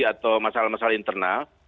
atau masalah masalah internal